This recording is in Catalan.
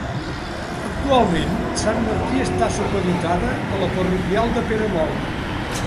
Actualment, Sant Martí està supeditada a la parroquial de Peramola.